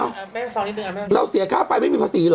หาเราเสียบางรูปไฟยังไม่มีภาษีเหรอ